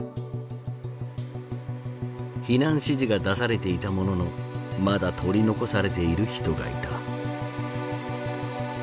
避難指示が出されていたもののまだ取り残されている人がいた。